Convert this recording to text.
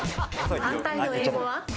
反対の英語は？